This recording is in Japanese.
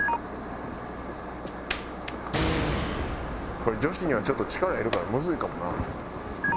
これ女子にはちょっと力いるからむずいかもな。